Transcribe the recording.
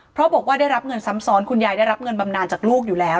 เพราะบอกว่าได้รับเงินซ้ำซ้อนคุณยายได้รับเงินบำนานจากลูกอยู่แล้ว